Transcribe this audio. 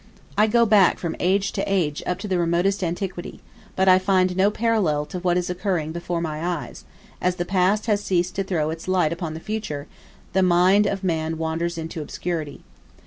I go back from age to age up to the remotest antiquity; but I find no parallel to what is occurring before my eyes: as the past has ceased to throw its light upon the future, the mind of man wanders in obscurity.